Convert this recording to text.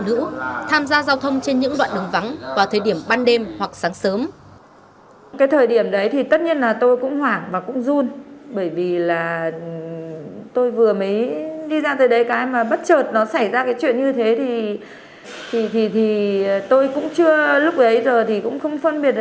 nữ tham gia giao thông trên những đoạn đường vắng vào thời điểm ban đêm hoặc sáng sớm